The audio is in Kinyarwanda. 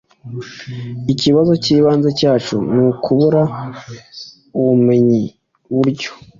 Ikibazo cyibanze cyacu nukubura ubumenyiburyo